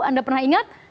anda pernah ingat